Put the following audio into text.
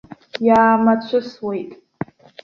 Иаамацәысуеит.